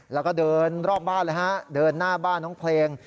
แล้วก็เดินรอบบ้านเลยฮะเดินหน้าบ้านน้องเพลง